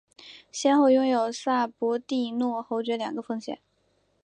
先后拥有萨博蒂诺侯爵两个封衔。